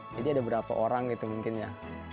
jadi ada beberapa orang mungkin ya